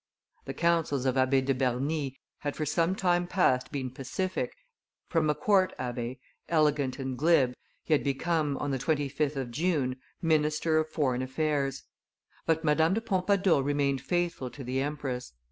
The counsels of Abbe de Bernis had for some time past been pacific; from a court abbe, elegant and glib, he had become, on the 25th of June, minister of foreign affairs. But Madame de Pompadour remained faithful to the empress.